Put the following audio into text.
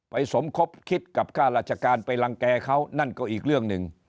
สมคบคิดกับค่าราชการไปรังแก่เขานั่นก็อีกเรื่องหนึ่ง